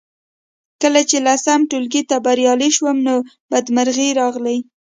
کله چې لسم ټولګي ته بریالۍ شوم نو بدمرغۍ راغلې